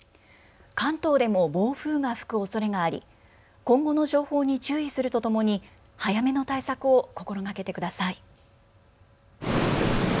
関東でも暴風が吹くおそれがあり今後の情報に注意するとともに早めの対策を心がけてください。